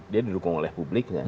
dia dilukung oleh publiknya